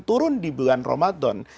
turun di bulan ramadan